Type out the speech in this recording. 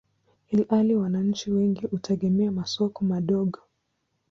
ilhali wananchi wengi hutegemea masoko madogo.